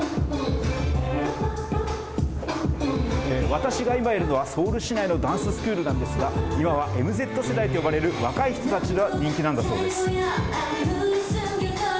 私が今いるのはソウル市内のダンススクールなんですが今はＭＺ世代と呼ばれる若い人たちに人気なんだそうです。